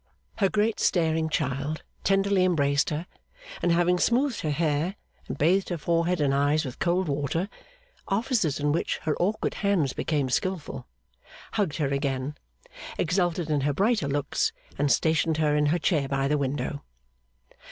Her great staring child tenderly embraced her; and having smoothed her hair, and bathed her forehead and eyes with cold water (offices in which her awkward hands became skilful), hugged her again, exulted in her brighter looks, and stationed her in her chair by the window.